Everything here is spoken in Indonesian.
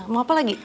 mau apa lagi